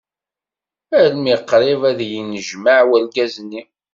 Almi qrib ad d-yennejmaɛ urgaz-nni.